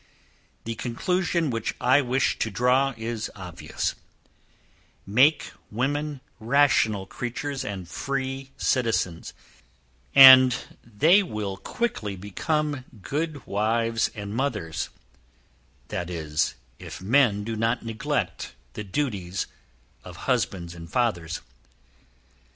The conclusion which I wish to draw is obvious; make women rational creatures and free citizens, and they will quickly become good wives, and mothers; that is if men do not neglect the duties of husbands and fathers.